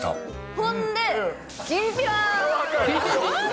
ほんで、きんぴらー。